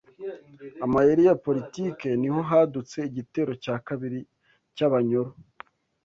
amayeri ya Politiki niho hadutse igitero cya kabiri cy’Abanyoro